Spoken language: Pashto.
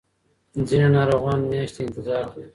ځینې ناروغان میاشتې انتظار کوي.